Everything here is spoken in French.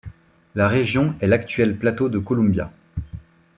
La région est l'actuelle plateau du Columbia.